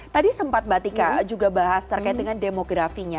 tadi sempat mbak tika juga bahas terkait dengan demografinya